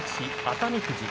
熱海富士。